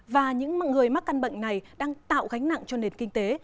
và những người mắc căn bệnh này đang tạo gánh nặng cho nền kinh tế